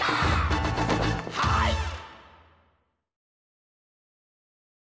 はい！